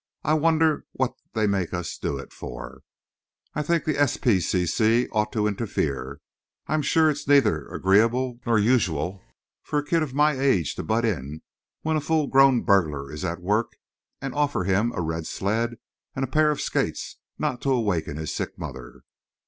"I wonder what they make us do it for? I think the S. P. C. C. ought to interfere. I'm sure it's neither agreeable nor usual for a kid of my age to butt in when a full grown burglar is at work and offer him a red sled and a pair of skates not to awaken his sick mother.